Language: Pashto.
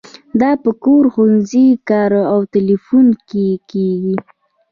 دا په کور، ښوونځي، کار او تیلیفون کې کیږي.